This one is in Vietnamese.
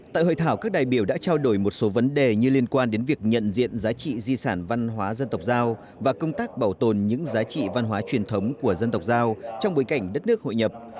tại hội thảo các đại biểu đã trao đổi một số vấn đề như liên quan đến việc nhận diện giá trị di sản văn hóa dân tộc giao và công tác bảo tồn những giá trị văn hóa truyền thống của dân tộc giao trong bối cảnh đất nước hội nhập